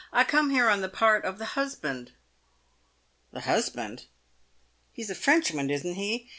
I come here on, the part of the husband." "The husband! He's a Frenchman, isn't he?